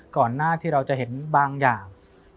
ก่อนหน้าที่เราจะเห็นบางอย่าง